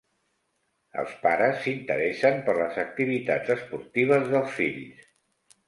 Els pares s'interessen per les activitats esportives dels fills.